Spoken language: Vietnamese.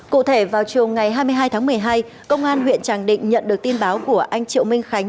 cụ thể vào chiều ngày hai mươi hai tháng một mươi hai công an huyện tràng định nhận được tin báo của anh triệu minh khánh